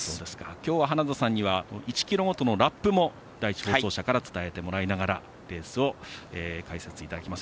今日は花田さんには１ｋｍごとのラップも第１放送車から伝えてもらいながらレースを解説していただきます。